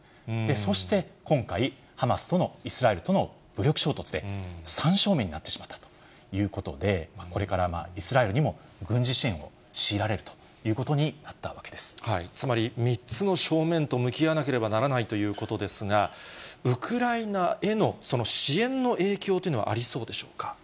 そして、今回、ハマスとの、イスラエルとの武力衝突で三正面になってしまったということで、これからイスラエルにも軍事支援を強いられるということになったつまり、３つの正面と向き合わなければならないということですが、ウクライナへの支援の影響というのはありそうでしょうか。